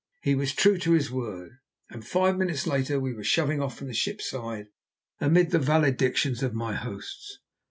He was true to his word, and five minutes later we were shoving off from the ship's side amid the valedictions of my hosts.